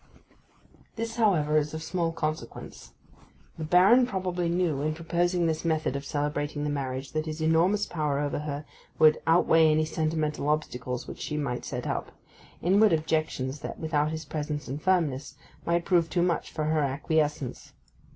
This, however, is of small consequence. The Baron probably knew, in proposing this method of celebrating the marriage, that his enormous power over her would outweigh any sentimental obstacles which she might set up—inward objections that, without his presence and firmness, might prove too much for her acquiescence.